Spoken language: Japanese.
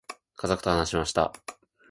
家族と話しました。